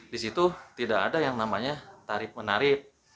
di situ tidak ada yang namanya tarif menarib